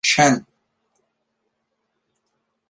Şen